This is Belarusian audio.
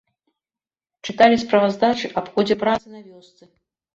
Чыталі справаздачы аб ходзе працы на вёсцы.